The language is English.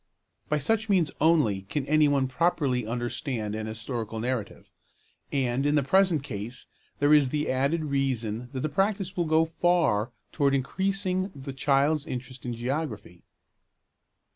By such means only can any one properly understand an historical narrative; and in the present case there is the added reason that the practice will go far towards increasing the child's interest in geography.